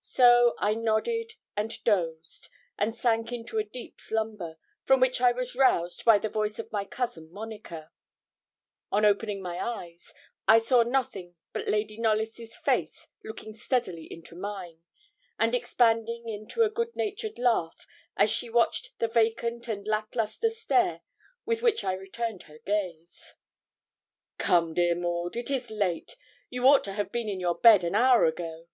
So I nodded and dozed, and sank into a deep slumber, from which I was roused by the voice of my cousin Monica. On opening my eyes, I saw nothing but Lady Knollys' face looking steadily into mine, and expanding into a good natured laugh as she watched the vacant and lack lustre stare with which I returned her gaze. 'Come, dear Maud, it is late; you ought to have been in your bed an hour ago.'